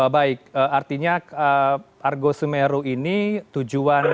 baik artinya argo semeru ini tujuan